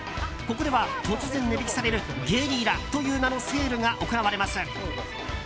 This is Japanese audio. ここでは突然値引きされるゲリラという名前のセールが行われます。